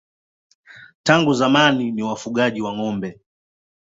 Tangu zamani ni wafugaji wa ng'ombe.